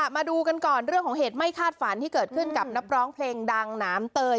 มาดูกันก่อนเรื่องของเหตุไม่คาดฝันที่เกิดขึ้นกับนักร้องเพลงดังหนามเตย